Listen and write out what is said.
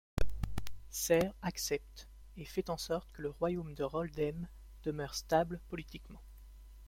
Serre accepte, et fait en sorte que Le Royaume de Roldem demeure stable politiquement.